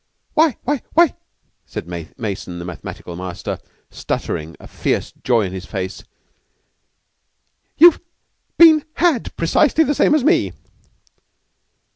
"Why why why!" Mason, the mathematical master, stuttered, a fierce joy on his face, "you've been had precisely the same as me!"